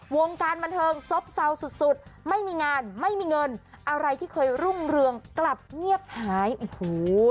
วงการบันเทิงซบเซาสุดสุดไม่มีงานไม่มีเงินอะไรที่เคยรุ่งเรืองกลับเงียบหายโอ้โห